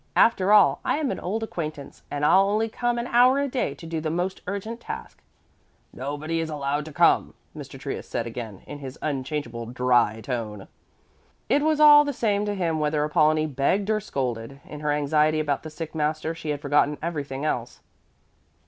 After all I am an old acquaintance, and I'll only come an hour a day to do the most urgent task." "Nobody is allowed to come," Mr. Trius said again in his unchangeable, dry tone. It was all the same to him whether Apollonie begged or scolded. In her anxiety about the sick master she had forgotten everything else.